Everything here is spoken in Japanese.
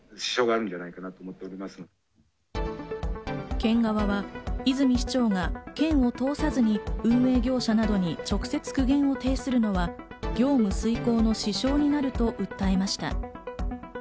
県側は泉市長が県を通さずに運営業者などに直接苦言を呈するのは、業務遂行の支障になると訴えました。